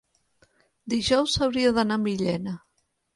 Dijous hauria d'anar a Millena.